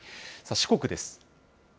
四国です。